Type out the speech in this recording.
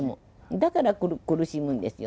だから苦しむんですよ。